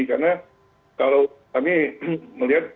karena kalau kami melihat